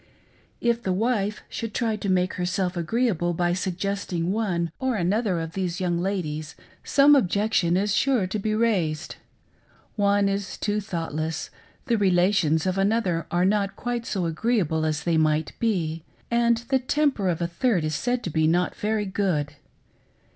If the wife should try to make herself agreeable by suggesting one or another of the^e young 434 THE BRIGHT, PARTICULAR STAR. ladies, some objection is sure to be raised. One is top thought less ; the relations of another are not quite so agreeable as they might be ; and the temper of a third is said to be not very good.